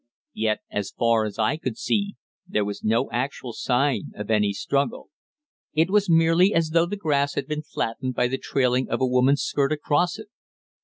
Yet as far as I could see there was no actual sign of any struggle. It was merely as though the grass had been flattened by the trailing of a woman's skirt across it.